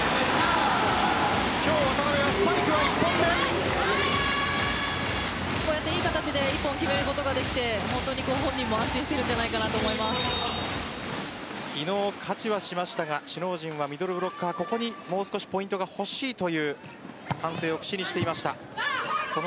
今日、渡邊はスパイク２本目。いい形で１本決めることができて本人も安心しているんじゃないかなと昨日、勝ちはしましたが首脳陣はミドルブロッカーにもう少しポイントが欲しいという反省を口にしていました。